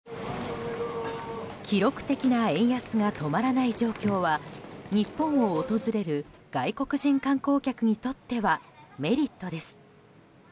記録的な円安が止まらない状況は日本を訪れる外国人観光客にとってはメリットです。